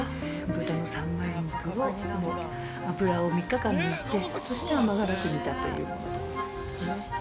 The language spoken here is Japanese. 豚の三枚肉を油を３日間抜いてそして甘辛く煮たというものです。